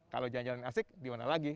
kalau jalan jalan asik dimana lagi